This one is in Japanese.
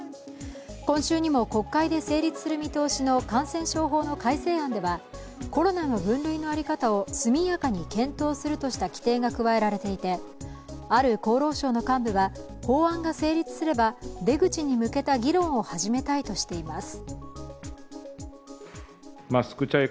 今週にも国会で成立する見通しの感染症法の改正案ではコロナの分類の在り方を速やかに検討するとした規定が加えられていてある厚労省の幹部は、法案が成立すれば出口に向けた議論を始めたいとしています。